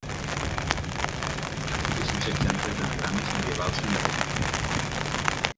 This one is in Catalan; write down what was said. Hi ha moltíssims exemples d'anagrames medievals en llatí.